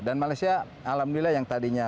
dan malaysia alhamdulillah yang tadinya